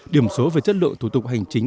điểm số về chất lượng thủ tục hành chính